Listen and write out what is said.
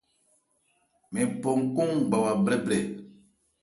Mɛn phɔ nkɔn ngbawa brɛ́brɛ.